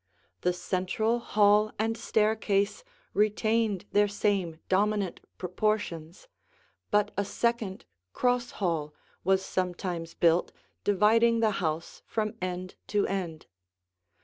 The central hall and staircase retained their same dominant proportions, but a second cross hall was sometimes built, dividing the house from end to end.